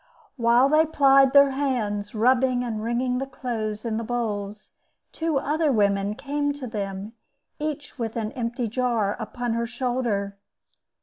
While they plied their hands, rubbing and wringing the clothes in the bowls, two other women came to them, each with an empty jar upon her shoulder.